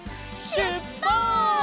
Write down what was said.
しゅっぱつ！